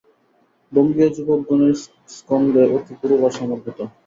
বঙ্গীয় যুবকগণের স্কন্ধে অতি গুরুভার সমর্পিত।